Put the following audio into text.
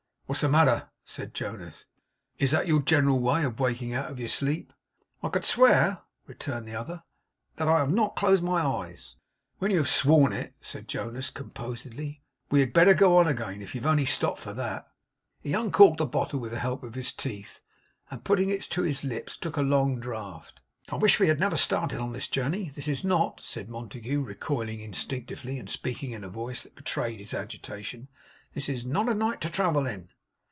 'What's the matter?' said Jonas. 'Is that your general way of waking out of your sleep?' 'I could swear,' returned the other, 'that I have not closed my eyes!' 'When you have sworn it,' said Jonas, composedly, 'we had better go on again, if you have only stopped for that.' He uncorked the bottle with the help of his teeth; and putting it to his lips, took a long draught. 'I wish we had never started on this journey. This is not,' said Montague, recoiling instinctively, and speaking in a voice that betrayed his agitation; 'this is not a night to travel in.